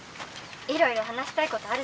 いろいろ話したいことあるし」。